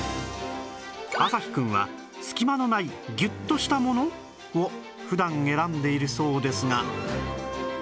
朝日くんは隙間のないギュッとしたもの？を普段選んでいるそうですが